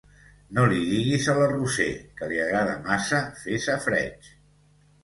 No li diguis a la Roser, que li agrada massa fer safareig.